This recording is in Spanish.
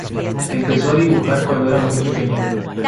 Empezó a dibujar cuando era muy pequeña.